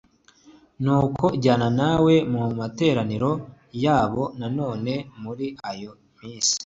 nuko njyana na we mu materaniro yabo Nanone muri iyo minsi